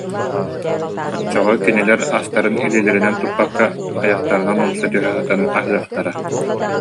Оччоҕо кинилэр астарын илиилэринэн туппакка, айахтарынан умса түһэ сытан аһыахтара